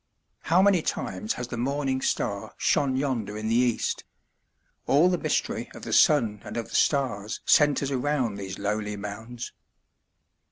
How many times has the morning star shone yonder in the East? All the mystery of the sun and of the stars centres around these lowly mounds.